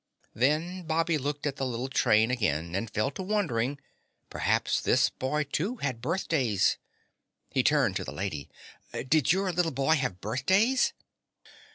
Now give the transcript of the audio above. Then Bobby looked at the little train again and fell to wondering; perhaps this boy, too, had birthdays. He turned to the lady. "Did your little boy have birthdays?"